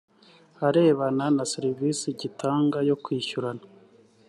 arebana na serivisi gitanga yo kwishyurana